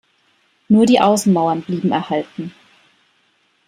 Nur die Außenmauern blieben erhalten.